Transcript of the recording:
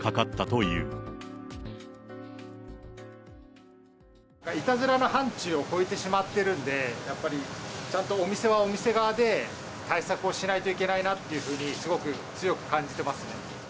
いたずらの範ちゅうを超えてしまってるんで、やっぱりちゃんとお店はお店側で、対策をしないといけないなっていうふうにすごく強く感じてますね。